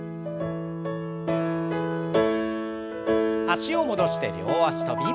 脚を戻して両脚跳び。